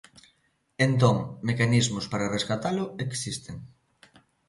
Entón, mecanismos para rescatalo existen.